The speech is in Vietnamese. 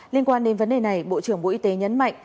liên quan đến vấn đề này bộ trưởng bộ y tế nhấn mạnh